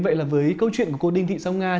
vậy là với câu chuyện của cô đinh thị song nga